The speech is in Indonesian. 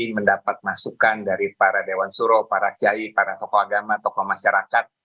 mendapat masukan dari para dewan suro para kiai para tokoh agama tokoh masyarakat